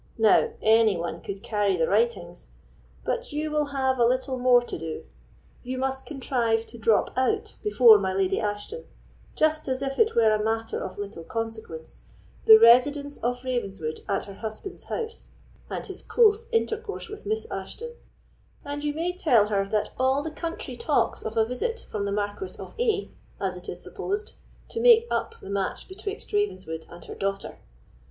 Now, any one could carry the writings; but you will have a little more to do. You must contrive to drop out before my Lady Ashton, just as if it were a matter of little consequence, the residence of Ravenswood at her husband's house, and his close intercourse with Miss Ashton; and you may tell her that all the country talks of a visit from the Marquis of A——, as it is supposed, to make up the match betwixt Ravenswood and her daughter.